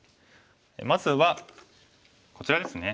まずはこちらですね。